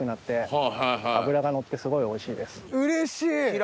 うれしい！